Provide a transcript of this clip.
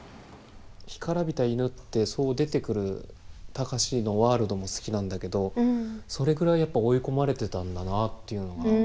干からびた犬ってそう出てくる貴司のワールドも好きなんだけどそれぐらいやっぱ追い込まれてたんだなっていうのが。